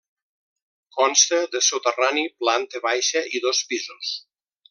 Consta de soterrani, planta baixa i dos pisos.